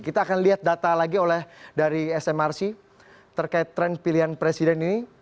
kita akan lihat data lagi oleh dari smrc terkait tren pilihan presiden ini